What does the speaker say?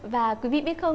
và quý vị biết không